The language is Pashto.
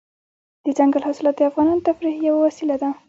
دځنګل حاصلات د افغانانو د تفریح یوه وسیله ده.